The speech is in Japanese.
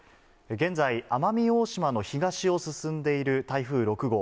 現在、奄美大島の東を進んでいる台風６号。